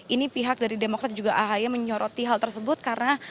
ini pihak dari demokrat juga ahi menyoroti hal tersebut karena